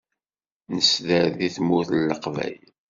Nesder deg Tmurt n Leqbayel.